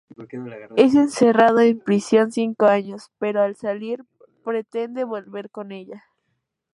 Es encerrado en prisión cinco años, pero al salir pretende volver con ella.